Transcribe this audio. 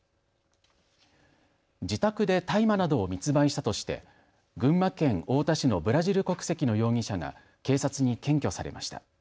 自宅で大麻などを密培したとして群馬県太田市のブラジル国籍の容疑者が警察に検挙されました。